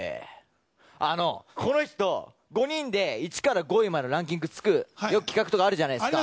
この人５人で１から５位までのランキングつくよく企画とかあるじゃないですか。